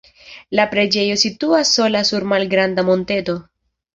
La preĝejo situas sola sur malgranda monteto.